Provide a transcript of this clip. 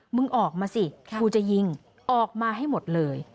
มึงออกมาสิกูจะยิงออกมาให้หมดเลย